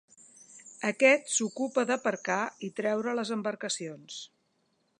Aquest s'ocupa d'aparcar i treure les embarcacions.